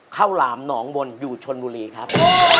หลามหนองบนอยู่ชนบุรีครับ